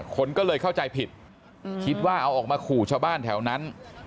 คนก็เลยเข้าใจผิดคิดว่าเอาออกมาขู่ชาวบ้านแถวนั้น